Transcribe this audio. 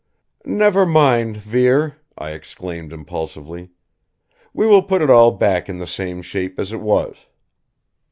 "Never mind, Vere," I exclaimed impulsively. "We will put it all back in the same shape as it was."